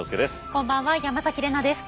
こんばんは山崎怜奈です。